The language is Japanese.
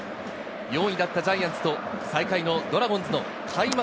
４位だったジャイアンツと最下位のドラゴンズの開幕